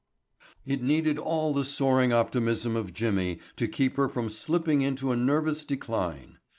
It needed all the soaring optimism of Jimmy to keep her from slipping into a nervous decline.